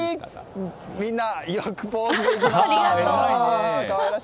みんな、よくポーズできました。